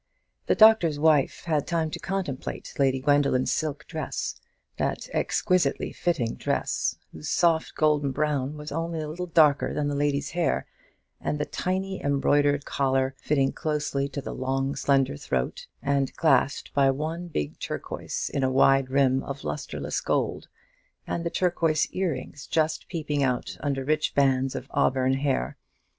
The Doctor's Wife had time to contemplate Lady Gwendoline's silk dress that exquisitely fitting dress, whose soft golden brown was only a little darker than the lady's hair; and the tiny embroidered collar, fitting closely to the long slender throat, and clasped by one big turquoise in a wide rim of lustreless gold, and the turquoise earrings just peeping out under rich bands of auburn hair.